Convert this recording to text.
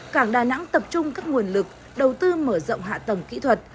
cảng đà nẵng tập trung các nguồn lực đầu tư mở rộng hạ tầng kỹ thuật